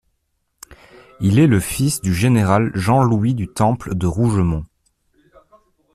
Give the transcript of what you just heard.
Il est le fils du général Jean-Louis du Temple de Rougemont.